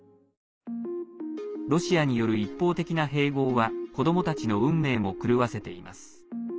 ロシアによる一方的な併合は子どもたちの運命も狂わせています。